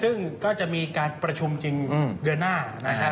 ซึ่งก็จะมีการประชุมจริงเดือนหน้านะครับ